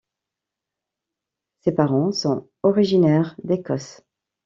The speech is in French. Ses parents sont originaires d'Écosse.